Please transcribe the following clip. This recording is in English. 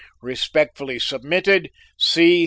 "Respectfully submitted, "C.